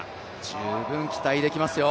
十分期待できますよ。